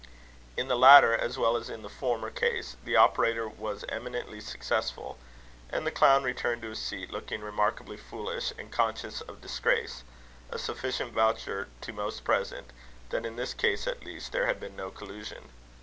In the latter, as well as in the former case, the operator was eminently successful; and the clown returned to his seat, looking remarkably foolish and conscious of disgrace a sufficient voucher to most present, that in this case at least there had been no collusion.